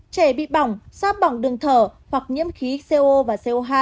trẻ bị bỏng do bỏng đường thở hoặc nhiễm khí co và co hai